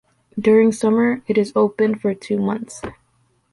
During summer, it is opened for two months.